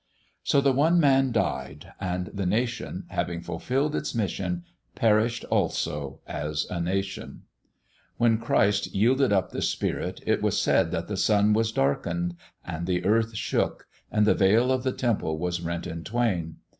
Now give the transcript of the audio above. So the one Man died, and the nation, having fulfilled its mission, perished also as a nation. When Christ yielded up the spirit it was said that the sun was darkened and the earth shook and the veil of the Temple was rent in twain.